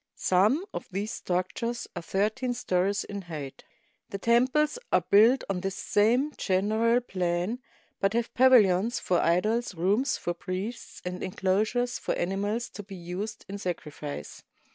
Some of these structures are thirteen stories in height. The temples are built on this same general plan, but have pavilions for idols, rooms for priests, and inclosures for ani mals to be used in sacrifice.